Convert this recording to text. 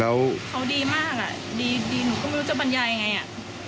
เขาดีมากอ่ะดีหนูก็ไม่รู้จะบรรยายยังไงอ่ะ